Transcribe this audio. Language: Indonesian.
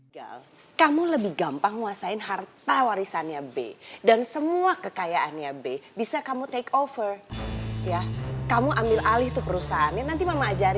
dia gak kerja